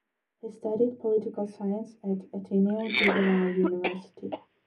He studied political science at Ateneo de Davao University.